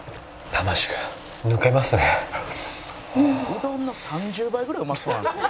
「うどんの３０倍ぐらいうまそうなんですよ」